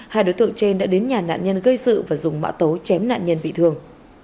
hai đối tượng trên đã đến nhà nạn nhân gây sự và dùng mã tấu chém nạn nhân bị thương